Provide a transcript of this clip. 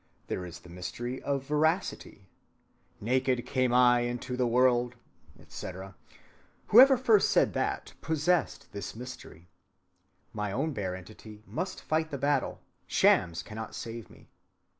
There is the mystery of veracity: "Naked came I into the world," etc.,—whoever first said that, possessed this mystery. My own bare entity must fight the battle—shams cannot save me.